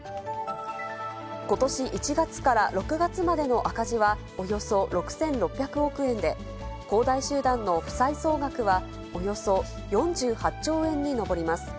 ことし１月から６月までの赤字は、およそ６６００億円で、恒大集団の負債総額はおよそ４８兆円に上ります。